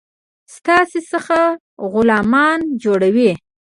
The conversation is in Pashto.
ستاسي څخه غلامان جوړوي.